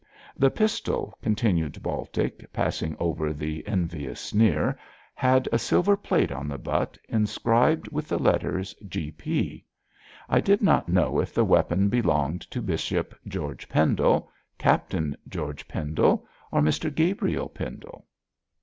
'The pistol,' continued Baltic, passing over the envious sneer, 'had a silver plate on the butt, inscribed with the letters "G.P." I did not know if the weapon belonged to Bishop George Pendle, Captain George Pendle, or to Mr Gabriel Pendle.'